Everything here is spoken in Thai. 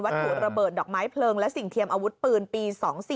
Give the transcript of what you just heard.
ถูกระเบิดดอกไม้เพลิงและสิ่งเทียมอาวุธปืนปี๒๔